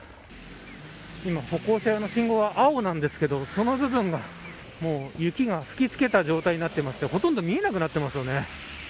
今、歩行者用の信号は青なんですけどその部分が、雪が吹きつけた状態になっていてほとんど見えなくなっていますよね。